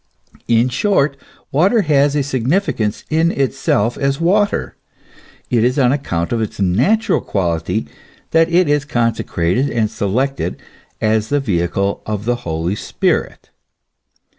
In short, water has a significance in itself, as water ; it is on account of its natural quality that it is consecrated and selected as the vehicle of the Holy Spirit.